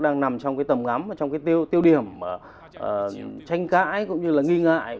đang nằm trong cái tầm ngắm trong cái tiêu điểm tranh cãi cũng như là nghi ngại